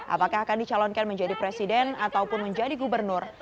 apakah akan dicalonkan menjadi presiden ataupun menjadi gubernur